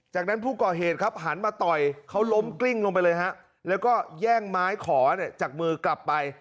จากนั้นผู้ก่อเหตุครับหันมาต่อยเขาล้มกลิ้งลงไปเลยฮะแล้วก็แย่งไม้ขอจากมือกลับไป